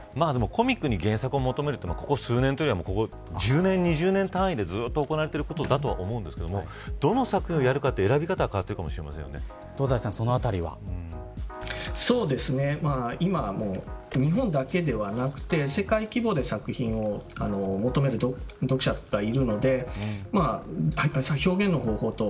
コミックに原作を求めるというのは、ここ数年ではなく１０年、２０年単位でずっと行われていることだと思いますがどの作品をやるかというところで選び方は変わってくるかも今は日本だけではなくて世界規模で作品を求める読者がいるので表現の方法等